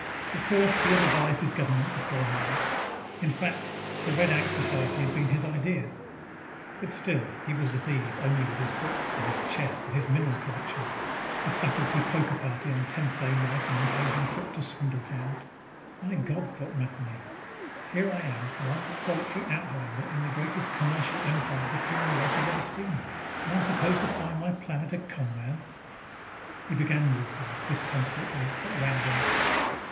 Of course, he had advised his government before now in fact, the Red Ankh Society had been his idea but still he was at ease only with his books and his chess and his mineral collection, a faculty poker party on Tenthday night and an occasional trip to Swindletown My God, thought Matheny, _here I am, one solitary outlander in the greatest commercial empire the human race has ever seen, and I'm supposed to find my planet a con man!_ He began walking, disconsolately, at random.